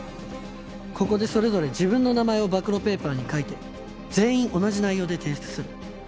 ここでそれぞれ自分の名前を暴露ペーパーに書いて全員同じ内容で提出する。